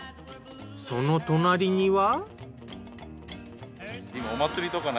その隣には？